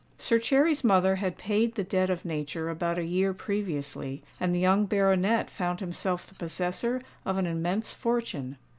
Sir Cherry's mother had paid the debt of nature about a year previously; and the young baronet found himself the possessor of an immense fortune.